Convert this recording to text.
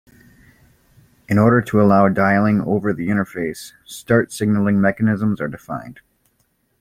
In order to allow dialing over the interface, "start" signaling mechanisms are defined.